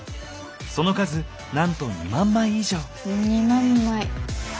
その数なんと２万枚以上。